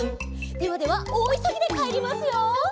「ではではおおいそぎでかえりますよ」